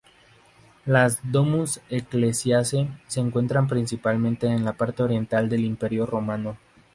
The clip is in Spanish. Las "domus ecclesiae" se encuentran principalmente en la parte oriental del Imperio romano.